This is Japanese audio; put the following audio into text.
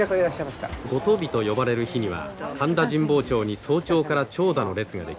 五十日と呼ばれる日には神田・神保町に早朝から長蛇の列が出来ます。